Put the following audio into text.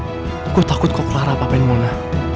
aku takut kau clara apa apain mona